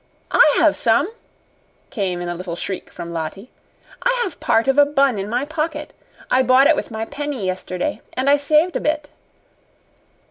"I have some!" came in a little shriek from Lottie. "I have part of a bun in my pocket; I bought it with my penny yesterday, and I saved a bit."